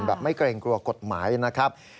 ไม่เกรงกลัวกฎหมายนะครับ